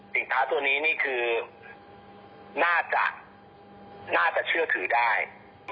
สิ่งท้าตัวนี้นี่คือน่าจะเชื่อถือได้